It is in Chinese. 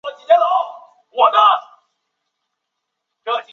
萨松亦为他幸存的手稿作注释。